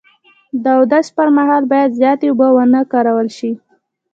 د اودس پر مهال باید زیاتې اوبه و نه کارول شي.